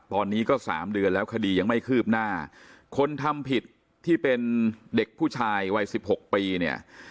ตอนนี้ก็สามเดือนแล้วคดียังไม่คืบหน้าคนทำผิดที่เป็นเด็กผู้ชายวัยสิบหกปีเนี่ย